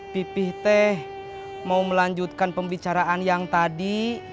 pipih teh mau melanjutkan pembicaraan yang tadi